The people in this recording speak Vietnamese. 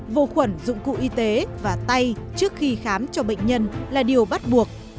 vô khuẩn dụng cụ y tế và tay trước khi khám cho bệnh nhân là điều bắt buộc